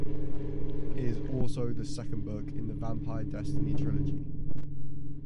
It is also the second book in the "Vampire Destiny" trilogy.